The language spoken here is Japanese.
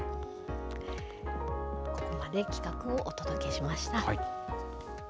ここまで企画をお届けしました。